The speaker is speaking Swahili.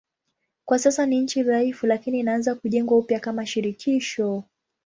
Kwa sasa ni nchi dhaifu lakini inaanza kujengwa upya kama shirikisho.